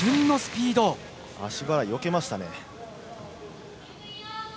足払いよけましたね。